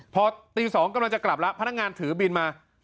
พอตี๒กำลังจะกลับแล้วพนักงานถือบินมา